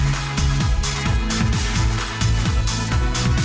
gak boleh bersanung